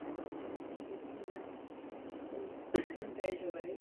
Kamenná moře a kamenné proudy na vrcholu hory patří k nejcennějším v České republice.